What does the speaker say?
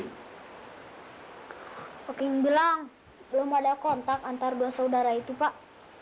hoki bilang belum ada kontak antar dua saudara itu pak